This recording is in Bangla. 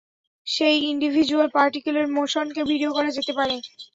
সেই ইনডিভিজ্যুয়াল পার্টিকেলের মোশনকে ভিডিও করা যেতে পারে।